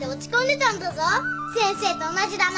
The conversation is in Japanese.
先生と同じだな。